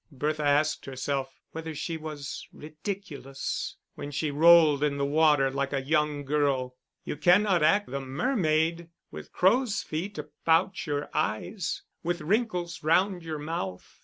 Bertha asked herself whether she was ridiculous when she rolled in the water like a young girl: you cannot act the mermaid with crow's feet about your eyes, with wrinkles round your mouth.